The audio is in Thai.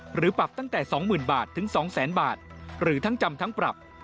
หรือปรับตั้งแต่๒๐๐๐บาทถึง๒๐๐๐บาทหรือทั้งจำทั้งปรับ